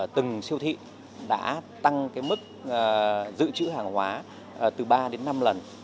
từng siêu thị đã tăng cái mức dự trữ hàng hóa từ ba đến năm lần